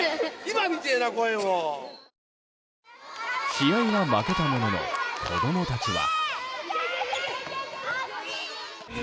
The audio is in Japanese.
試合は負けたものの子供たちは。